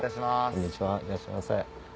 こんにちはいらっしゃいませ。